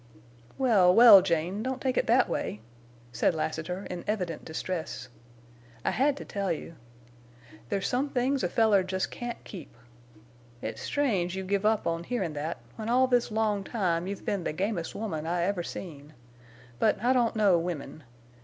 "Well, well, Jane, don't take it that way," said Lassiter, in evident distress. "I had to tell you. There's some things a feller jest can't keep. It's strange you give up on hearin' that, when all this long time you've been the gamest woman I ever seen. But I don't know women.